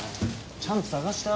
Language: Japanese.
ちゃんと捜した？